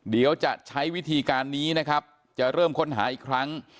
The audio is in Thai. เดี๋ยวจะใช้วิธีการนี้นะครับจะเริ่มค้นหาอีกครั้ง